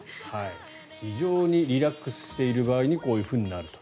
非常にリラックスしている場合にこういうふうになると。